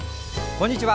こんにちは。